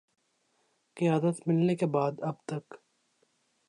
قیادت ملنے کے بعد اب تک